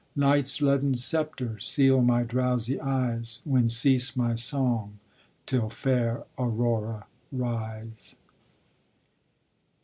Nights' leaden sceptor seal my drowsy eyes, When cease my song, till fair Aurora rise.